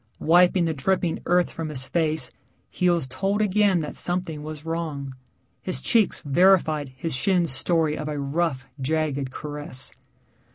Wiping the dripping earth from his face, he was told again that something was wrong. His cheeks verified his shin's story of a rough, jagged caress.